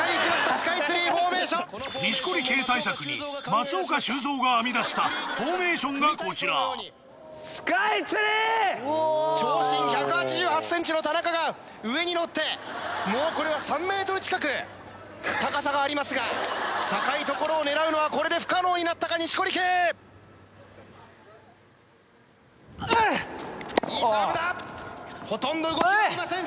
スカイツリーフォーメーション錦織圭対策にがこちら長身１８８ｃｍの田中が上に乗ってもうこれは３ｍ近く高さがありますが高いところを狙うのはこれで不可能になったか錦織圭いいサーブだほとんど動きがありません